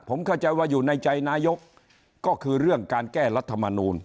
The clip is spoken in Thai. ผมเข้าใจว่าอยู่ในใจนายกก็คือเรื่องการแก้รัฐมนูล